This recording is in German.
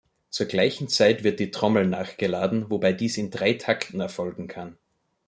Zur gleichen Zeit wird die Trommel nachgeladen, wobei dies in drei Takten erfolgen kann.